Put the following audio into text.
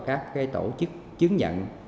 các cái tổ chức chứng nhận